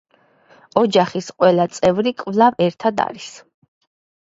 ოჯახის ყველა წევრი კვლავ ერთად არის.